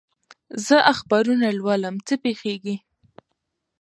زه اخبارونه لولم، څه پېښېږي؟